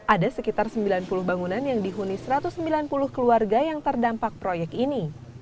ada sekitar sembilan puluh bangunan yang dihuni satu ratus sembilan puluh keluarga yang terdampak proyek ini